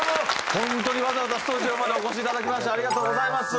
本当にわざわざスタジオまでお越しいただきましてありがとうございます。